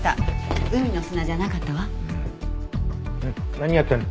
何やってるの？